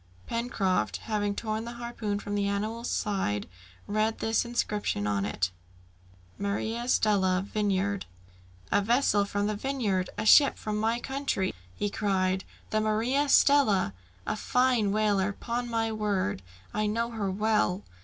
Pencroft, having torn the harpoon from the animal's side, read this inscription on it: "'MARIA STELLA,' "VINEYARD." "A vessel from the Vineyard! A ship from my country!" he cried. "The Maria Stella! A fine whaler, 'pon my word; I know her well!